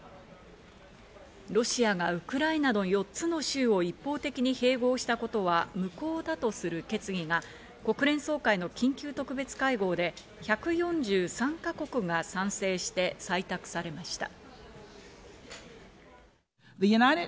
ロシアがウクライナの４つの州を一方的に併合したことは無効だとする決議が国連総会の緊急特別会合で１４３か国が賛成して採択されました。